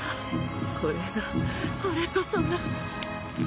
これがこれこそが